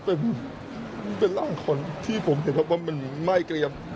มันเป็นร่างคนที่ผมเห็นว่ามันไม่เกลียบ